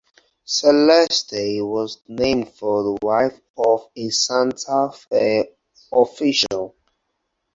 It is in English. Celeste was named for the wife of a Santa Fe official.